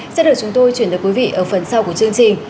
sẽ được chúng tôi chuyển tới quý vị ở phần sau của chương trình